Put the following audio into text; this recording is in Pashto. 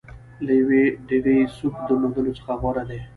له یوه ډېګي سوپ درلودلو څخه غوره دی.